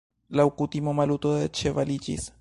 Laŭ kutimo Maluto deĉevaliĝis.